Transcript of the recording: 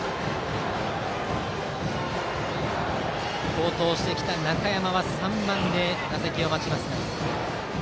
好投してきた中山は３番で打席を待ちます。